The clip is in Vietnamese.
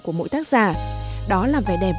của mỗi tác giả đó là vẻ đẹp